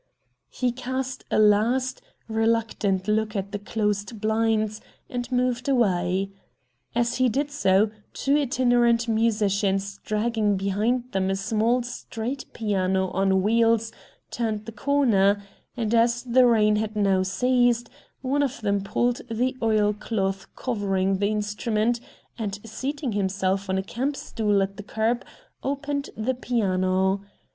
He cast a last, reluctant look at the closed blinds, and moved away. As he did so, two itinerant musicians dragging behind them a small street piano on wheels turned the corner, and, as the rain had now ceased, one of them pulled the oil cloth covering from the instrument and, seating himself on a camp stool at the curb, opened the piano.